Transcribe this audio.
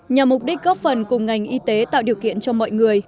nhằm mục đích góp phần cùng ngành y tế tạo điều kiện cho mọi người